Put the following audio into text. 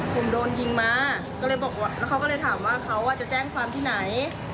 ผมโดนยิงมาก็เลยบอกว่าแล้วเขาก็เลยถามว่าเขาจะแจ้งความที่ไหน